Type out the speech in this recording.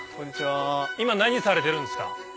今何されてるんですか？